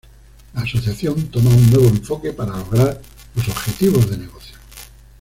La asociación toma un nuevo enfoque para lograr los objetivos de negocio.